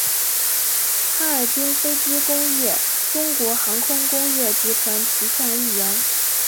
哈尔滨飞机工业中国航空工业集团旗下一员。